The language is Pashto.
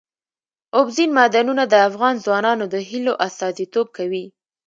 اوبزین معدنونه د افغان ځوانانو د هیلو استازیتوب کوي.